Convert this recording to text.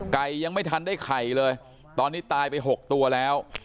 ยังไม่ทันได้ไข่เลยตอนนี้ตายไป๖ตัวแล้ว